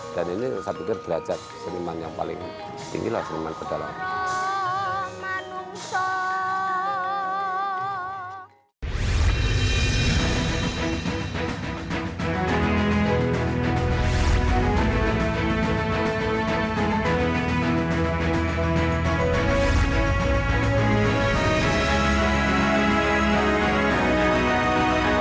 dan ini saya pikir derajat seniman yang paling tinggi lah seniman perdalangan